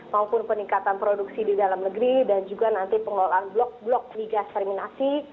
maupun peningkatan produksi di dalam negeri dan juga nanti pengelolaan blok blok migas terminasi